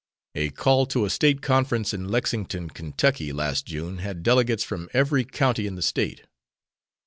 A call to a State Conference in Lexington, Ky., last June had delegates from every county in the State.